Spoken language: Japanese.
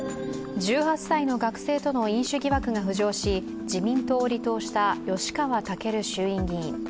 １８歳の学生との飲酒疑惑が浮上し自民党を離党した吉川赳衆院議員。